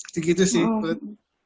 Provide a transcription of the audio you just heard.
begitu sih put